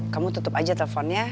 kamu tutup aja teleponnya